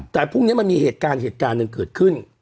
แต่พรุ่งนี้มันมีเหตุการณ์เหตุการณ์หนึ่งเกิดขึ้น